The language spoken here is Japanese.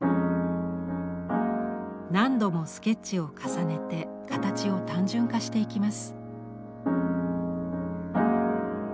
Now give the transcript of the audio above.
何度もスケッチを重ねて形を単純化していきます。